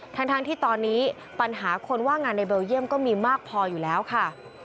ทั้งที่ตอนนี้ปัญหาคนว่างงานในเบลเยี่ยมก็มีมากพออยู่แล้วค่ะ